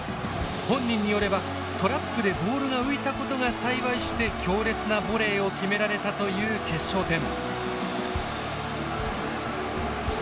本人によればトラップでボールが浮いたことが幸いして強烈なボレーを決められたという決勝点。